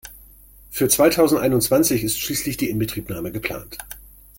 Für zweitausendeinundzwanzig ist schließlich die Inbetriebnahme geplant.